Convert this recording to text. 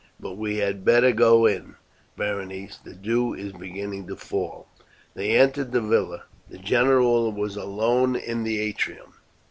But we had better go in, Berenice, the dew is beginning to fall." They entered the villa. The general was alone in the atrium.